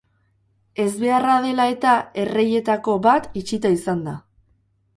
Ezbeharra dela eta erreietako bat itxita izan da.